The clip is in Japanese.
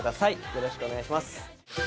よろしくお願いします。